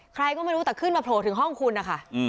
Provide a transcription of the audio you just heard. ใครก็ไม่รู้แต่ขึ้นมาโผล่ถึงห้องคุณนะคะ